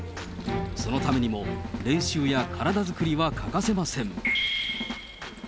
そのためにも練習や体作りは欠かせません。